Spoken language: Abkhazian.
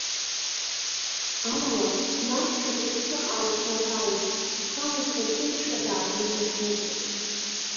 Амала, насшәа, сыԥсы ааиқәнаҳәалеит, сан лҽырҭынчшәа дааҳәны дахьнықәиаз.